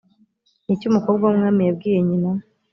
ni iki umukobwa w’umwami yabwiye nyina‽